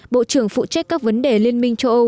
bộ trưởng phụ trách các vấn đề liên minh châu âu